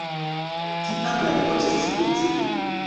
Tiam la ligo ĉesis funkcii.